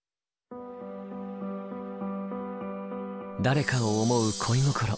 誰かを思う恋心。